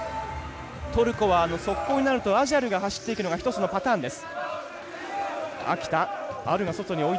トルコは速攻になるとアジャルが走るのが一つのパターンです。